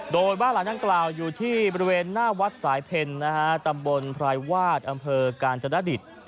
โดยบ้านหลังดังกล่าวอยู่ที่บริเวณหน้าวัดสายเพ็ญนะฮะตำบลพรายวาดอำเภอกาญจนดิต